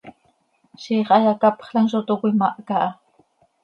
Ziix hayacapxlam zo toc cöimahca ha.